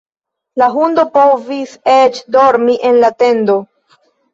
La hundo povis eĉ dormi en la tendo.